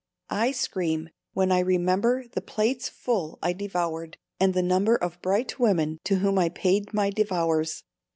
I scream when I remember the plates full I devoured, and the number of bright women to whom I paid my devours.